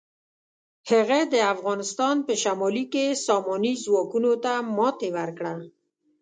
هغه د افغانستان په شمالي کې ساماني ځواکونو ته ماتې ورکړه.